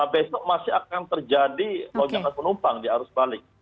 besok masih akan terjadi lonjakan penumpang di arus balik